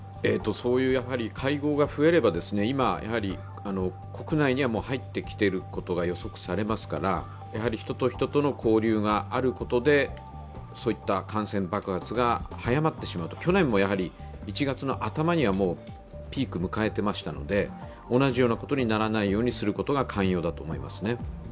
会合が増えれば、今、国内には入ってきていることが予測されますから人と人との交流があることで、そういった感染爆発が早まってしまうと、去年も１月の頭にはピークを迎えてましたので同じようなことにならないようにすることが肝要だと思いますね。